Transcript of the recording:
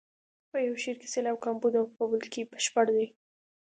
په یو شعر کې سېلاب کمبود او په بل کې بشپړ دی.